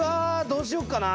どうしよっかな。